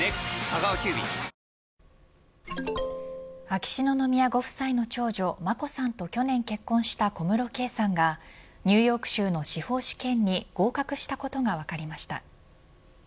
ＪＴ秋篠宮ご夫妻の長女眞子さんと去年結婚した小室圭さんがニューヨーク州の司法試験に合格したことが分かりました。